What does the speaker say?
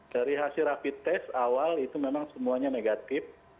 dari hasil rapid test awal itu memang semuanya negatif